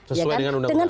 sesuai dengan undang undang